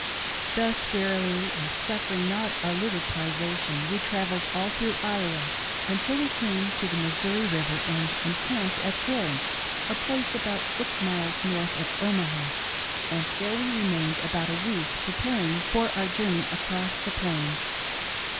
" Thus wearily, and suffering not a little privatioHi we 'travelled all through Iowa until we came to the Missouri A THOUSAND MILES ON FOOT. SIj[ river and encamped at Florence, a place about six miles north of Omaha, and there we remained about a week preparing for our journey across the Plains.